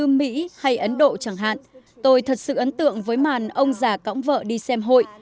ví dụ như mỹ hay ấn độ chẳng hạn tôi thật sự ấn tượng với màn ông giả cõng vợ đi xem hội